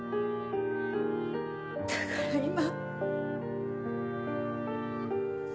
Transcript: だから今。